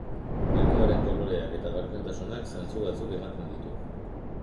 Gernuaren koloreak eta gardentasunak zantzu batzuk ematen ditu.